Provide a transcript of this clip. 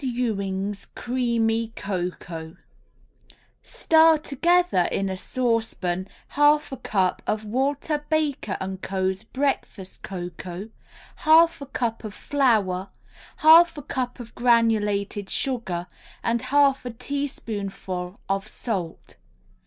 EWING'S CREAMY COCOA Stir together in a saucepan half a cup of Walter Baker & Co.'s Breakfast Cocoa, half a cup of flour, half a cup of granulated sugar and half a teaspoonful of salt.